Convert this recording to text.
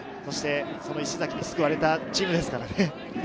石崎に救われたチームですからね。